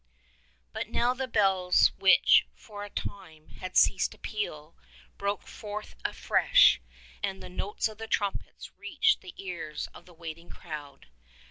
But now the bells which, for a time, had ceased to peal, broke forth afresh, and the notes of the trumpets reached the ears of the waiting crowd.